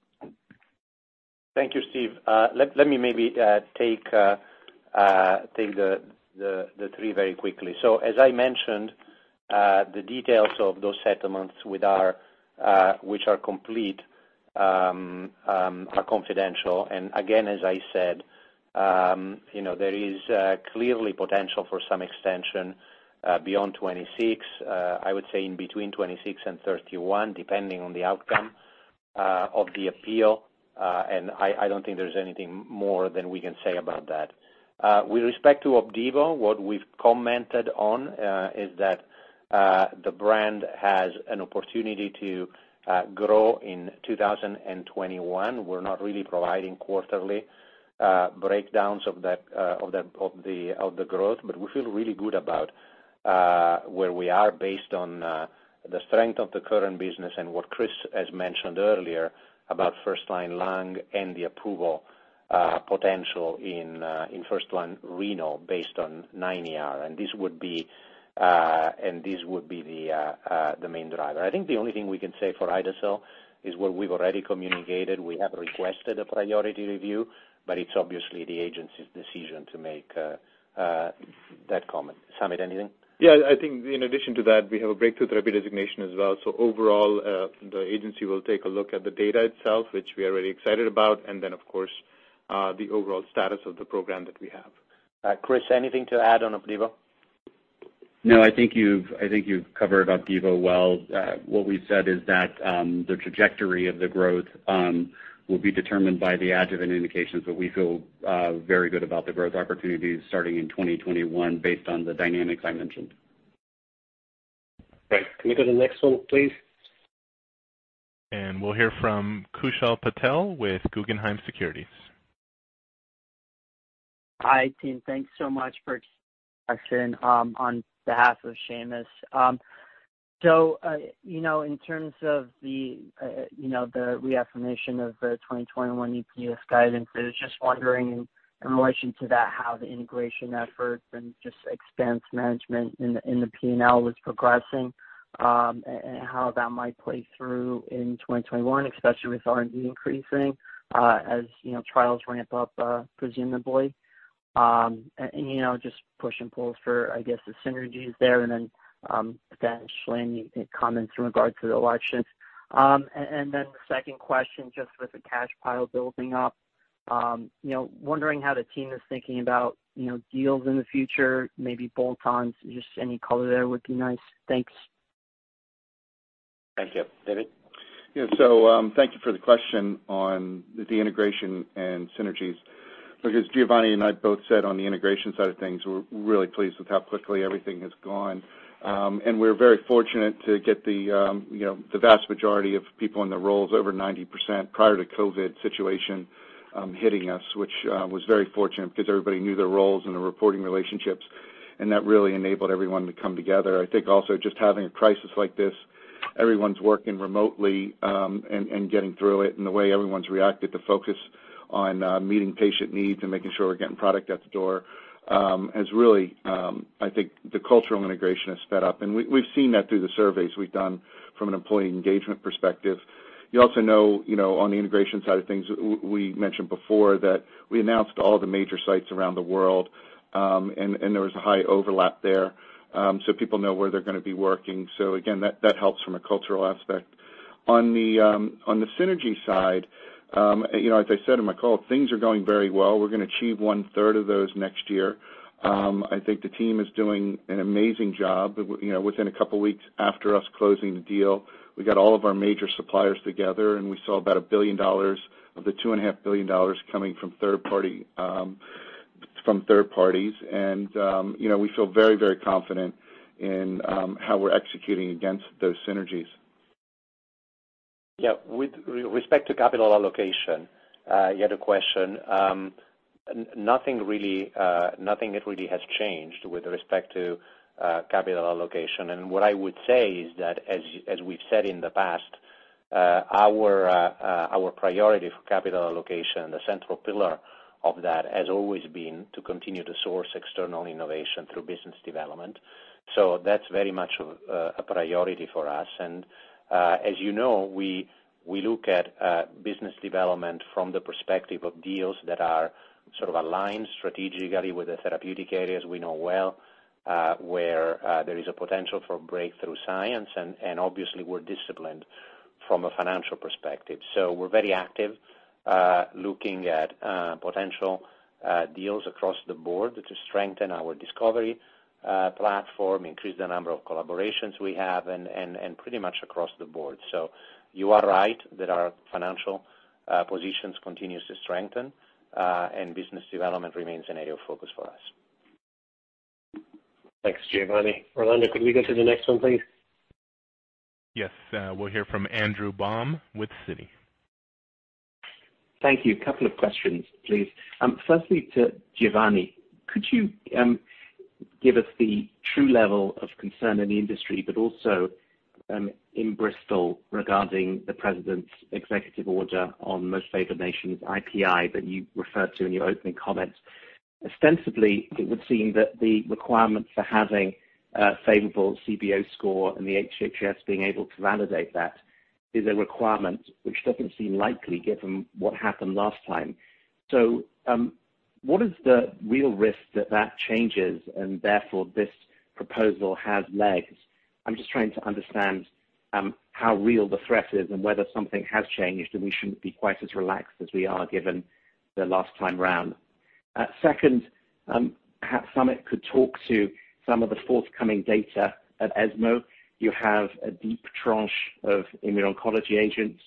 Thank you, Steve. Let me maybe take the three very quickly. As I mentioned, the details of those settlements which are complete, are confidential. Again, as I said, there is clearly potential for some extension beyond 2026. I would say in between 2026 and 2031, depending on the outcome of the appeal. I don't think there's anything more than we can say about that. With respect to Opdivo, what we've commented on is that the brand has an opportunity to grow in 2021. We're not really providing quarterly breakdowns of the growth. We feel really good about where we are based on the strength of the current business and what Chris has mentioned earlier about first-line lung and the approval potential in first-line renal based on 9ER. This would be the main driver. I think the only thing we can say for ide-cel is what we've already communicated. We have requested a priority review, it's obviously the agency's decision to make that comment. Samit, anything? Yeah, I think in addition to that, we have a breakthrough therapy designation as well. Overall, the agency will take a look at the data itself, which we are really excited about, and then of course, the overall status of the program that we have. Chris, anything to add on Opdivo? No, I think you've covered Opdivo well. What we've said is that the trajectory of the growth will be determined by the adjuvant indications, but we feel very good about the growth opportunities starting in 2021 based on the dynamics I mentioned. Right. Can we go to the next one, please? We'll hear from Kushal Patel with Guggenheim Securities. Hi, team. Thanks so much for on behalf of Seamus. In terms of the reaffirmation of the 2021 EPS guidance, I was just wondering in relation to that, how the integration efforts and just expense management in the P&L was progressing, and how that might play through in 2021, especially with R&D increasing, as trials ramp up, presumably. Just push and pull for, I guess, the synergies there and potentially any comments in regard to the election? The second question, just with the cash pile building up, wondering how the team is thinking about deals in the future, maybe bolt-ons, just any color there would be nice? Thanks. Thank you. David? Yeah. Thank you for the question on the integration and synergies. Because Giovanni and I both said on the integration side of things, we're really pleased with how quickly everything has gone. We're very fortunate to get the vast majority of people in the roles, over 90%, prior to COVID situation hitting us, which was very fortunate because everybody knew their roles and their reporting relationships, and that really enabled everyone to come together. I think also just having a crisis like this, everyone's working remotely, and getting through it. The way everyone's reacted to focus on meeting patient needs and making sure we're getting product out the door has really, I think, the cultural integration has sped up. We've seen that through the surveys we've done from an employee engagement perspective. You also know, on the integration side of things, we mentioned before that we announced all the major sites around the world. There was a high overlap there. People know where they're going to be working. Again, that helps from a cultural aspect. On the synergy side, as I said in my call, things are going very well. We're going to achieve one-third of those next year. I think the team is doing an amazing job. Within a couple of weeks after us closing the deal, we got all of our major suppliers together. We saw about $1 billion of the $2.5 billion coming from third parties. We feel very confident in how we're executing against those synergies. Yeah. With respect to capital allocation, you had a question. Nothing really has changed with respect to capital allocation. What I would say is that, as we've said in the past, our priority for capital allocation, the central pillar of that has always been to continue to source external innovation through business development. That's very much a priority for us. As you know, we look at business development from the perspective of deals that are sort of aligned strategically with the therapeutic areas we know well, where there is a potential for breakthrough science, and obviously, we're disciplined from a financial perspective. We're very active, looking at potential deals across the board to strengthen our discovery platform, increase the number of collaborations we have, and pretty much across the board. You are right that our financial positions continues to strengthen, and business development remains an area of focus for us. Thanks, Giovanni. Orlando, could we go to the next one, please? Yes. We'll hear from Andrew Baum with Citi. Thank you. A couple of questions, please. Firstly, to Giovanni, could you give us the true level of concern in the industry, but also in Bristol regarding the president's executive order on most favored nation's IPI that you referred to in your opening comments? Ostensibly, it would seem that the requirement for having a favorable CBO score and the HHS being able to validate that is a requirement which doesn't seem likely given what happened last time. What is the real risk that that changes and therefore this proposal has legs? I'm just trying to understand how real the threat is and whether something has changed, and we shouldn't be quite as relaxed as we are given the last time round. Second, perhaps Samit could talk to some of the forthcoming data at ESMO. You have a deep tranche of immuno-oncology agents,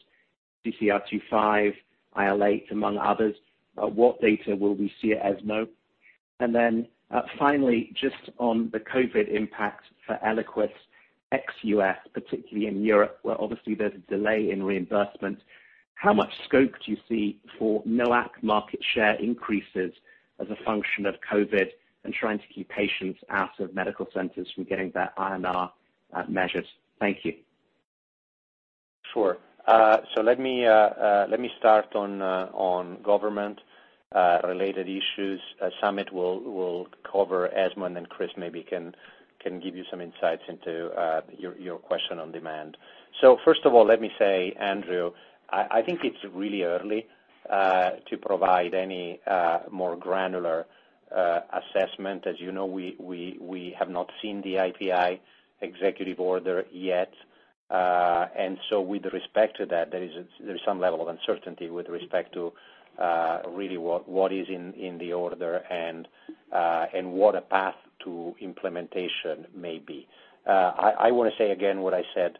CCR8, IL-8, among others. What data will we see at ESMO? Finally, just on the COVID impact for ELIQUIS ex-U.S., particularly in Europe, where obviously there's a delay in reimbursement. How much scope do you see for NOAC market share increases as a function of COVID and trying to keep patients out of medical centers from getting their INR measures? Thank you. Sure. Let me start on government-related issues. Samit will cover ESMO, and then Chris maybe can give you some insights into your question on demand. First of all, let me say, Andrew, I think it's really early to provide any more granular assessment. As you know, we have not seen the IPI executive order yet. With respect to that, there is some level of uncertainty with respect to really what is in the order and what a path to implementation may be. I want to say again what I said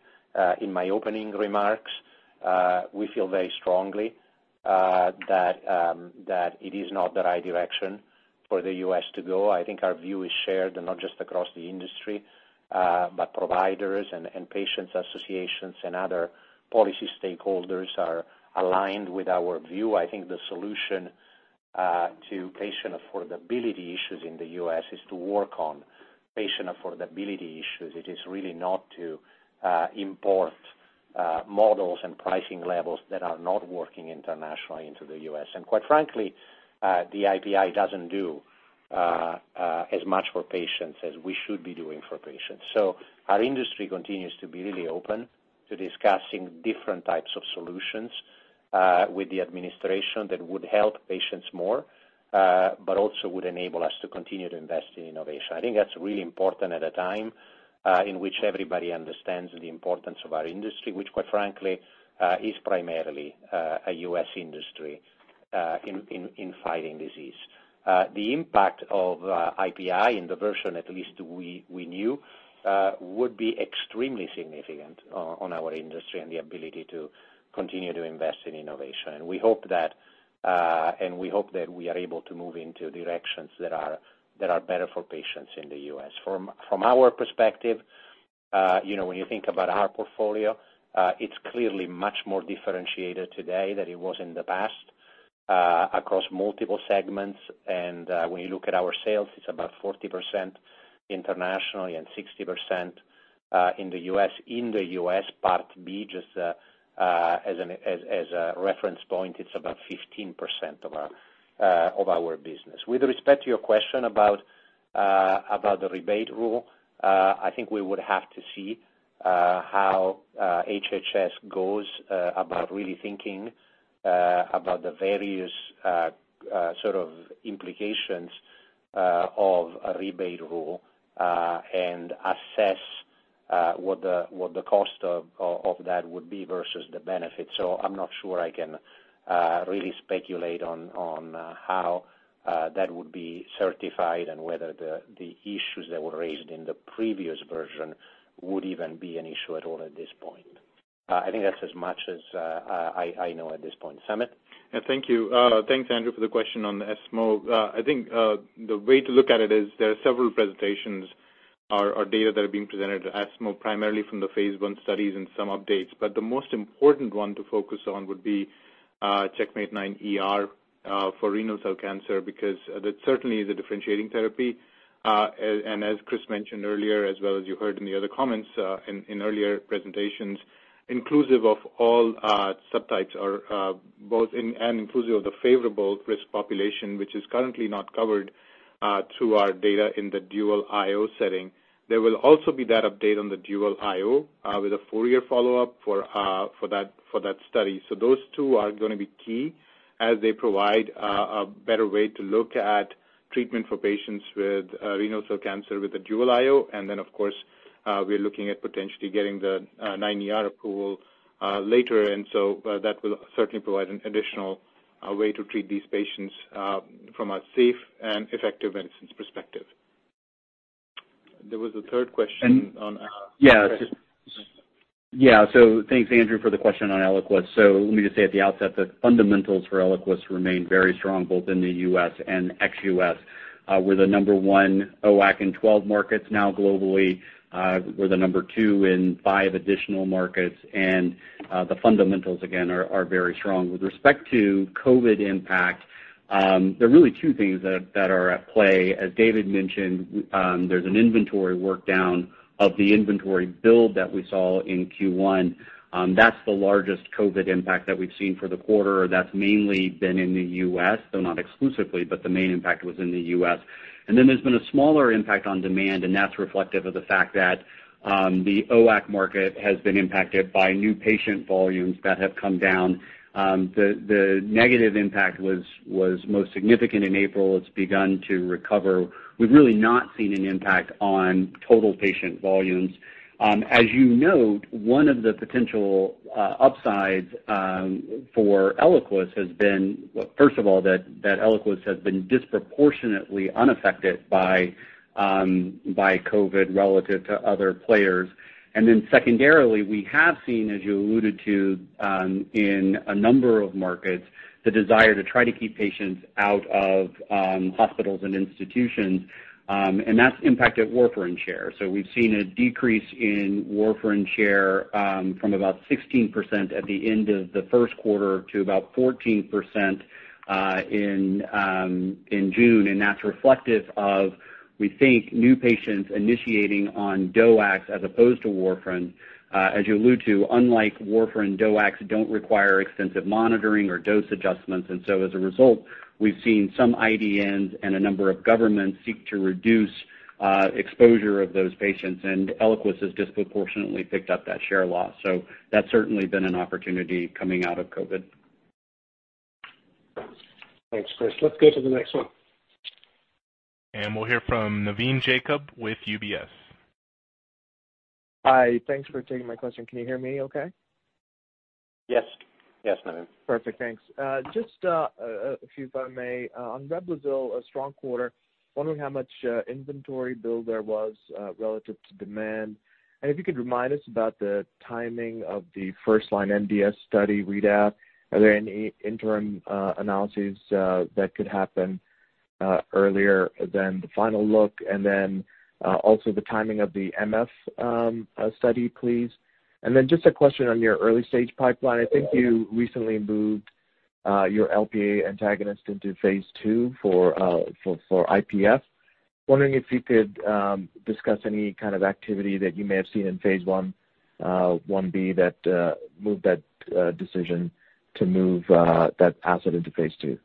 in my opening remarks. We feel very strongly that it is not the right direction for the U.S. to go. I think our view is shared, and not just across the industry, but providers and patients associations and other policy stakeholders are aligned with our view. I think the solution to patient affordability issues in the U.S. is to work on patient affordability issues. It is really not to import models and pricing levels that are not working internationally into the U.S. Quite frankly, the IPI doesn't do as much for patients as we should be doing for patients. Our industry continues to be really open to discussing different types of solutions with the administration that would help patients more, but also would enable us to continue to invest in innovation. I think that's really important at a time in which everybody understands the importance of our industry, which, quite frankly, is primarily a U.S. industry in fighting disease. The impact of IPI in the version, at least we knew, would be extremely significant on our industry and the ability to continue to invest in innovation. We hope that we are able to move into directions that are better for patients in the U.S. From our perspective, when you think about our portfolio, it's clearly much more differentiated today than it was in the past across multiple segments. When you look at our sales, it's about 40% internationally and 60% in the U.S. In the U.S., Part B, just as a reference point, it's about 15% of our business. With respect to your question about the rebate rule, I think we would have to see how HHS goes about really thinking about the various sort of implications of a rebate rule and assess what the cost of that would be versus the benefit. I'm not sure I can really speculate on how that would be certified and whether the issues that were raised in the previous version would even be an issue at all at this point. I think that's as much as I know at this point. Samit? Thank you. Thanks, Andrew, for the question on ESMO. I think the way to look at it is there are several presentations or data that are being presented at ESMO, primarily from the phase I studies and some updates. The most important one to focus on would be CheckMate-9ER for renal cell cancer, because that certainly is a differentiating therapy. As Chris mentioned earlier, as well as you heard in the other comments in earlier presentations, inclusive of all subtypes and inclusive of the favorable risk population, which is currently not covered through our data in the dual IO setting. There will also be that update on the dual IO with a four-year follow-up for that study. Those two are going to be key as they provide a better way to look at treatment for patients with renal cell cancer with a dual IO. Of course, we're looking at potentially getting the 9ER approval later. That will certainly provide an additional way to treat these patients from a safe and effective medicines perspective. There was a third question on. Yeah. Chris. Thanks, Andrew, for the question on ELIQUIS. Let me just say at the outset that fundamentals for ELIQUIS remain very strong both in the U.S. and ex-U.S. We're the number 1 NOAC in 12 markets now globally. We're the number 2 in five additional markets, the fundamentals, again, are very strong. With respect to COVID impact, there are really two things that are at play. As David mentioned, there's an inventory work down of the inventory build that we saw in Q1. That's the largest COVID impact that we've seen for the quarter. That's mainly been in the U.S., though not exclusively, the main impact was in the U.S. There's been a smaller impact on demand, that's reflective of the fact that the NOAC market has been impacted by new patient volumes that have come down. The negative impact was most significant in April. It's begun to recover. We've really not seen an impact on total patient volumes. As you note, one of the potential upsides for ELIQUIS has been, first of all, that ELIQUIS has been disproportionately unaffected by COVID-19 relative to other players. Secondarily, we have seen, as you alluded to, in a number of markets, the desire to try to keep patients out of hospitals and institutions, and that's impacted warfarin share. We've seen a decrease in warfarin share from about 16% at the end of the first quarter to about 14% in June. That's reflective of, we think, new patients initiating on DOACs as opposed to warfarin. As you allude to, unlike warfarin, DOACs don't require extensive monitoring or dose adjustments. As a result, we've seen some IDNs and a number of governments seek to reduce exposure of those patients, and ELIQUIS has disproportionately picked up that share loss. That's certainly been an opportunity coming out of COVID-19. Thanks, Chris. Let's go to the next one. We'll hear from Navin Jacob with UBS. Hi. Thanks for taking my question. Can you hear me okay? Yes, Navin. Perfect, thanks. Just a few, if I may, on Reblozyl, a strong quarter. Wondering how much inventory build there was relative to demand, and if you could remind us about the timing of the first-line MDS study readout. Are there any interim analyses that could happen earlier than the final look? Also the timing of the MF study, please. A question on your early-stage pipeline. I think you recently moved your LPA1 antagonist into phase II for IPF. Wondering if you could discuss any kind of activity that you may have seen in phase I-B, that moved that decision to move that asset into phase II.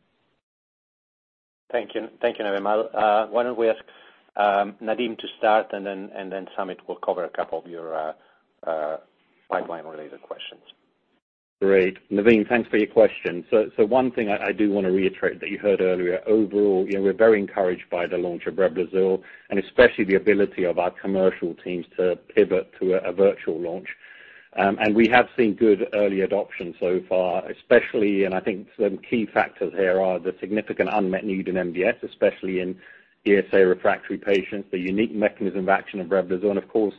Thank you, Navin. Why don't we ask Nadim to start. Then Samit will cover a couple of your pipeline-related questions. Great. Navin, thanks for your question. One thing I do want to reiterate that you heard earlier, overall, we're very encouraged by the launch of Reblozyl and especially the ability of our commercial teams to pivot to a virtual launch. We have seen good early adoption so far, especially, and I think some key factors here are the significant unmet need in MDS, especially in ESA refractory patients, the unique mechanism of action of Reblozyl and of course,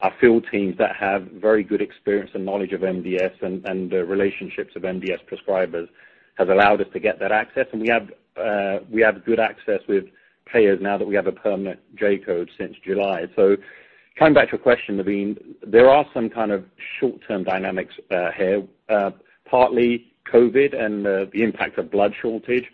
our field teams that have very good experience and knowledge of MDS and the relationships of MDS prescribers has allowed us to get that access. We have good access with payers now that we have a permanent J-code since July. Coming back to your question, Navin, there are some kind of short-term dynamics here, partly COVID-19 and the impact of blood shortage.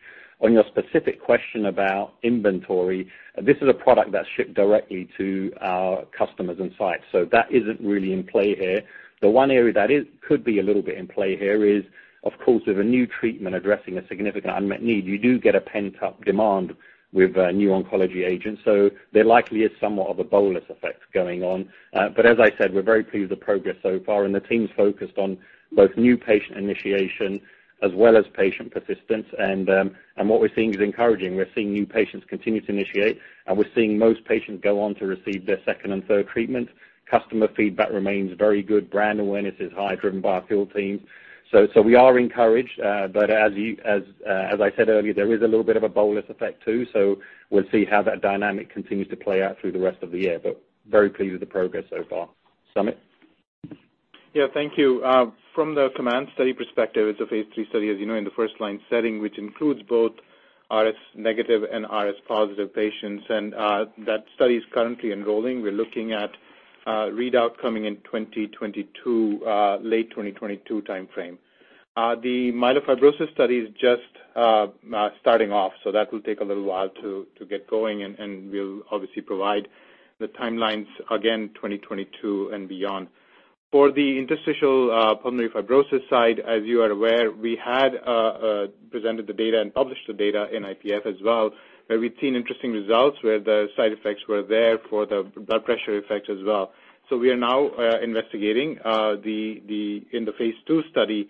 On your specific question about inventory, this is a product that's shipped directly to our customers and sites. That isn't really in play here. The one area that could be a little bit in play here is, of course, with a new treatment addressing a significant unmet need, you do get a pent-up demand with a new oncology agent. There likely is somewhat of a bolus effect going on. As I said, we're very pleased with progress so far and the team's focused on both new patient initiation as well as patient persistence. What we're seeing is encouraging. We're seeing new patients continue to initiate, and we're seeing most patients go on to receive their second and third treatment. Customer feedback remains very good. Brand awareness is high, driven by our field team. We are encouraged. As I said earlier, there is a little bit of a bolus effect too. We'll see how that dynamic continues to play out through the rest of the year. Very pleased with the progress so far. Samit. Thank you. From the COMMANDS study perspective, it's a phase III study, as you know, in the first-line setting, which includes both RS-negative and RS-positive patients. That study is currently enrolling. We're looking at readout coming in late 2022 timeframe. The myelofibrosis study is just starting off. That will take a little while to get going, we'll obviously provide the timelines again 2022 and beyond. For the interstitial pulmonary fibrosis side, as you are aware, we had presented the data and published the data in IPF as well, where we'd seen interesting results where the side effects were there for the blood pressure effect as well. We are now investigating in the phase II study,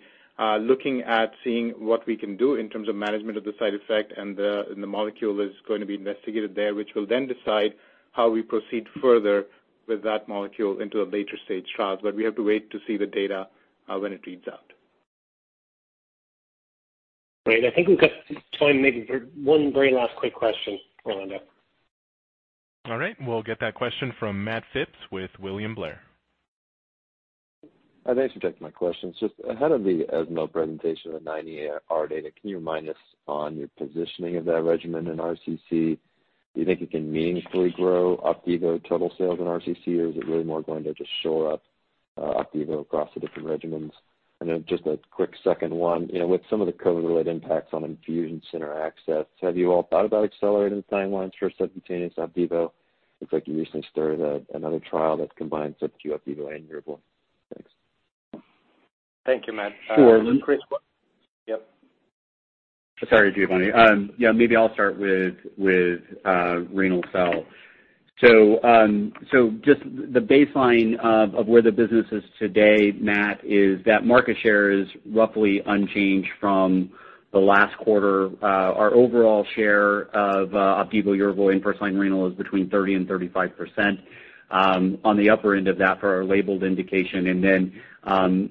looking at seeing what we can do in terms of management of the side effect and the molecule is going to be investigated there, which will then decide how we proceed further with that molecule into a later stage trial. We have to wait to see the data when it reads out. Great. I think we've got time maybe for one very last quick question, Orlando. All right. We'll get that question from Matt Phipps with William Blair. Thanks for taking my questions. Just ahead of the ESMO presentation of the 9ER data, can you remind us on your positioning of that regimen in RCC? Do you think it can meaningfully grow Opdivo total sales in RCC, or is it really more going to just shore up Opdivo across the different regimens? Just a quick second one. With some of the COVID-related impacts on infusion center access, have you all thought about accelerating timelines for subcutaneous Opdivo? Looks like you recently started another trial that combines sub-cu Opdivo and Yervoy. Thanks. Thank you, Matt. Chris? Yep. Sorry, Giovanni. Maybe I'll start with renal cell. Just the baseline of where the business is today, Matt, is that market share is roughly unchanged from the last quarter. Our overall share of Opdivo, Yervoy in first-line renal is between 30%-35%, on the upper end of that for our labeled indication.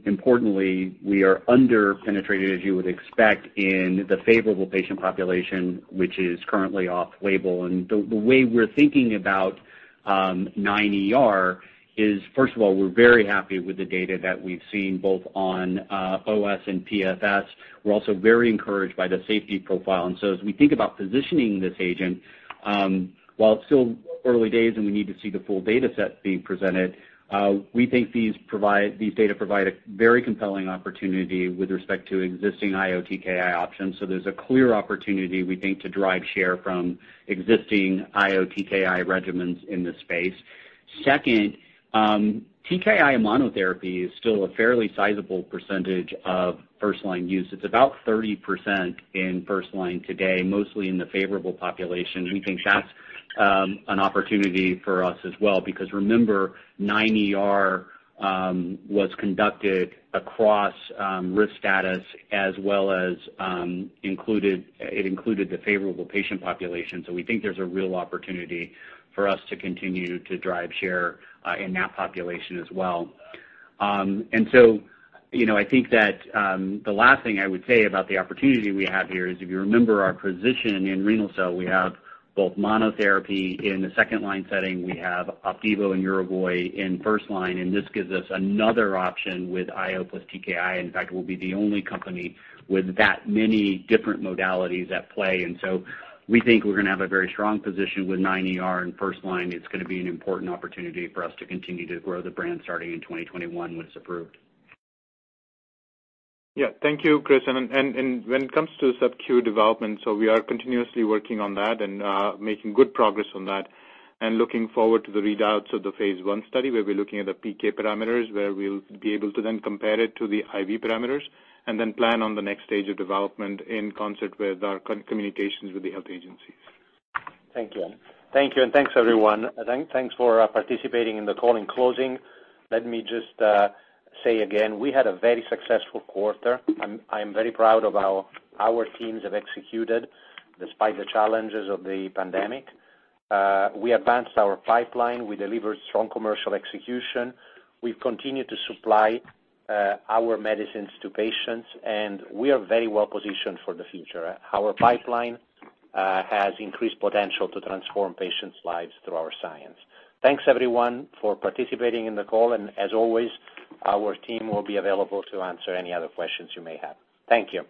Importantly, we are under-penetrated as you would expect in the favorable patient population, which is currently off label. The way we're thinking about 9ER is, first of all, we're very happy with the data that we've seen both on OS and PFS. We're also very encouraged by the safety profile. As we think about positioning this agent, while it's still early days and we need to see the full data set being presented, we think these data provide a very compelling opportunity with respect to existing IO TKI options. There's a clear opportunity we think to drive share from existing IO TKI regimens in this space. Second, TKI monotherapy is still a fairly sizable percentage of first-line use. It's about 30% in first line today, mostly in the favorable population. We think that's An opportunity for us as well, because remember, 9ER was conducted across risk status as well as it included the favorable patient population. We think there's a real opportunity for us to continue to drive share in that population as well. I think that the last thing I would say about the opportunity we have here is if you remember our position in renal cell, we have both monotherapy in the second line setting, we have Opdivo and Yervoy in first line, and this gives us another option with IO plus TKI. In fact, we'll be the only company with that many different modalities at play. We think we're going to have a very strong position with 9ER in first line. It's going to be an important opportunity for us to continue to grow the brand starting in 2021 when it's approved. Thank you, Chris. When it comes to subcu development, we are continuously working on that and making good progress on that and looking forward to the readouts of the phase I study, where we're looking at the PK parameters, where we'll be able to compare it to the IV parameters and then plan on the next stage of development in concert with our communications with the health agencies. Thank you. Thanks everyone. Thanks for participating in the call. In closing, let me just say again, we had a very successful quarter. I am very proud of how our teams have executed despite the challenges of the pandemic. We advanced our pipeline. We delivered strong commercial execution. We've continued to supply our medicines to patients, and we are very well positioned for the future. Our pipeline has increased potential to transform patients' lives through our science. Thanks everyone for participating in the call, and as always, our team will be available to answer any other questions you may have. Thank you.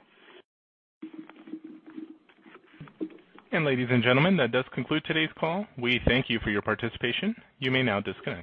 Ladies and gentlemen, that does conclude today's call. We thank you for your participation. You may now disconnect.